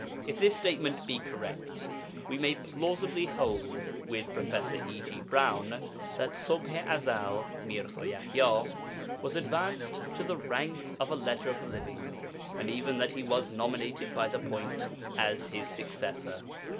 If this statement be correct, we may plausibly hold with Professor E. G. Browne that Ṣubḥ i Ezel (Mirza Yaḥya) was advanced to the rank of a 'Letter of the Living,' and even that he was nominated by the Point as his successor.